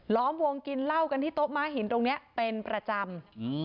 ล้อมวงกินเหล้ากันที่โต๊ะม้าหินตรงนี้เป็นประจำ